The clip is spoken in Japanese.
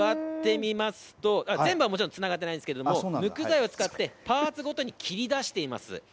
座ってみますと、全部はもちろん、つながっていないんですけれども、むく材を使って、パーツごとに切り出しています。